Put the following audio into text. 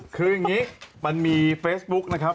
คืออย่างนี้มันมีเฟซบุ๊กนะครับ